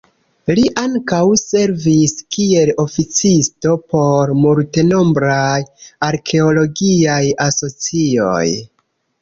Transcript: Li ankaŭ servis kiel oficisto por multenombraj arkeologiaj asocioj.